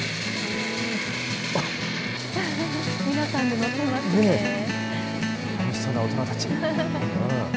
楽しそうな大人たち。